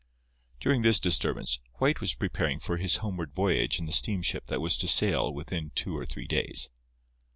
During this disturbance, White was preparing for his homeward voyage in the steamship that was to sail within two or three days.